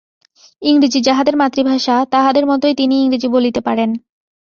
ইংরেজী যাহাদের মাতৃভাষা, তাহাদের মতই তিনি ইংরেজী বলিতে পারেন।